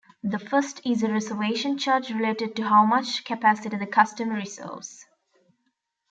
The first is a reservation charge related to how much capacity the customer reserves.